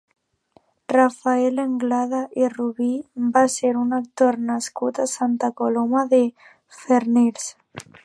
Rafael Anglada i Rubí va ser un actor nascut a Santa Coloma de Farners.